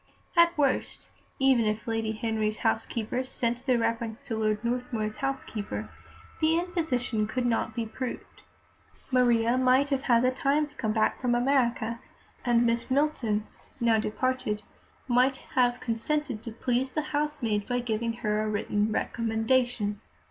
At worst, even if Lady Henry's housekeeper sent the reference to Lord Northmuir's housekeeper, the imposition could not be proved. Maria might have had time to come back from America, and Miss Milton, now departed, might have consented to please the housemaid by giving her a written recommendation.